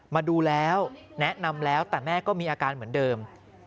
มาดูแล้วแนะนำแล้วแต่แม่ก็มีอาการเหมือนเดิม